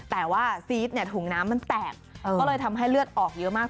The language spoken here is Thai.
แต่ว่าซีสเนี่ยถุงน้ำมันแตกก็เลยทำให้เลือดออกเยอะมาก